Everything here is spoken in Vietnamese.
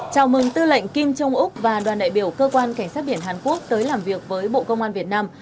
chào mừng tư lệnh kim trung úc và đoàn đại biểu cơ quan cảnh sát biển hàn quốc tới làm việc với bộ công an việt nam